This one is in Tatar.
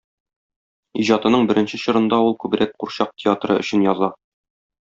Иҗатының беренче чорында ул күбрәк курчак театры өчен яза.